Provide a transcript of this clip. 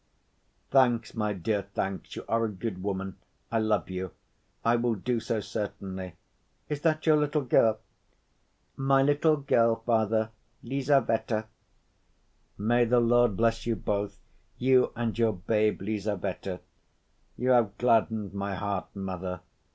"Thanks, my dear, thanks! You are a good woman. I love you. I will do so certainly. Is that your little girl?" "My little girl, Father, Lizaveta." "May the Lord bless you both, you and your babe Lizaveta! You have gladdened my heart, mother.